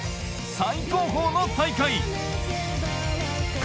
最高峰の大会